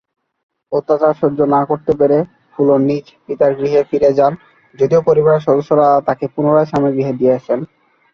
অত্যাচার সহ্য না করতে পেরে ফুলন নিজ পিতার গৃহে ফিরে যান যদিও পরিবারের সদস্যরা তাকে পুনরায় স্বামীর গৃহে দিয়ে আসেন।